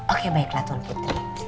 oke baiklah tuan putri